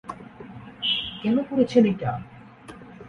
কেন করেছেন এটা?